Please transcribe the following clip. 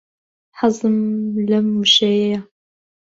حەزم لەم وشەیەیە.